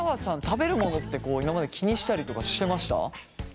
食べるものって今まで気にしたりとかしてました？